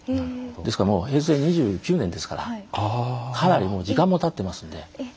ですからもう平成２９年ですからかなりもう時間もたっていますので。